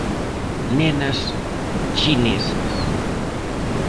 Nenas chinesas.